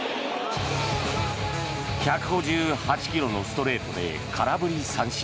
１５８ｋｍのストレートで空振り三振。